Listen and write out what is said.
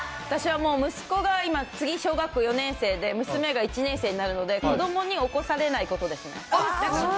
私はもう、息子が今、次、小学校４年生で娘が１年生になるので、子どもに起こされないことですね。